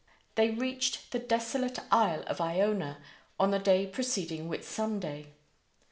They reached the desolate Isle of Iona on the day preceding Whitsunday.